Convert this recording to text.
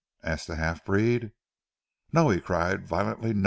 asked the half breed. "No!" he cried violently.